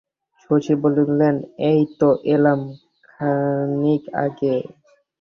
শশী বলিল, এই তো এলাম খনিক আগে।